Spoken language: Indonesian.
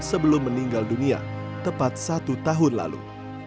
sebelum meninggal dunia tepat satu tahun lalu